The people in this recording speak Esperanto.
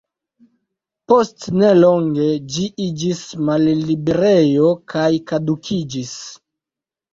Post nelonge ĝi iĝis malliberejo kaj kadukiĝis.